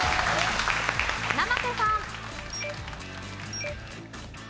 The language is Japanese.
生瀬さん。